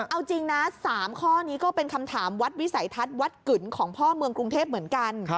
เอาจริงนะ๓ข้อนี้ก็เป็นคำถามวัดวิสัยทัศน์วัดกึ่นของพ่อเมืองกรุงเทพเหมือนกัน